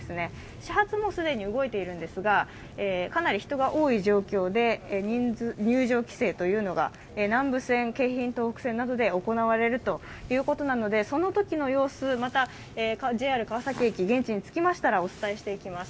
始発も既に動いているんですが、かなり人が多い状況で入場規制というのが南武線、京浜東北線などで行われるということで、そのときの様子、またＪＲ川崎駅、現地に着きましたらお伝えしていきます。